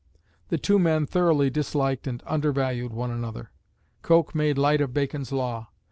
The two men thoroughly disliked and undervalued one another. Coke made light of Bacon's law.